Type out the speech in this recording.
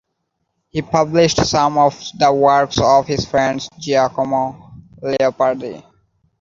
He published some of the works of his friend Giacomo Leopardi.